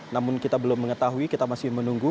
namun kita belum mengetahui kita masih menunggu